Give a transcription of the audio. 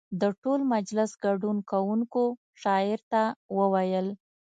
د ټول مجلس ګډون کوونکو شاعر ته وویل.